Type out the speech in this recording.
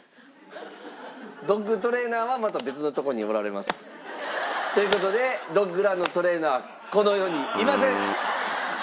ドッグトレーナーはまた別のとこにおられます。という事でドッグランのトレーナーこの世にいません。